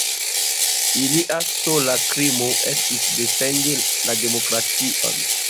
Ilia sola krimo estis defendi la demokration.